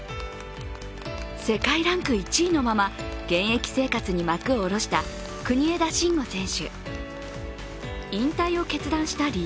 世界ランク１位のまま現役生活に幕を下ろした国枝慎吾選手。